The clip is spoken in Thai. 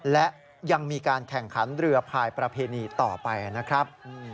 และยังมีการแข่งขันเรือภายประเพณีต่อไปนะครับ